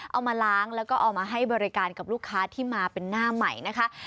เอามาล้างแล้วก็เอามาให้บริการกับลูกค้าที่มาเป็นหน้าใหม่นะคะ